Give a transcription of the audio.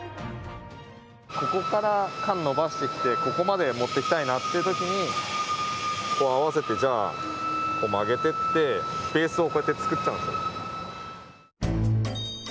ここから管伸ばしてきてここまで持ってきたいなっていう時にこう合わせて曲げてってベースをこうやって作っちゃうんですよ。